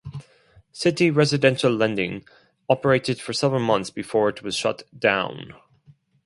Citi Residential Lending operated for several months before it was shut down.